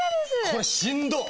これしんどっ。